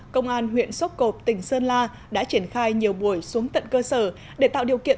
công an huyện sốp cộp tỉnh sơn la đã triển khai nhiều buổi xuống tận cơ sở để tạo điều kiện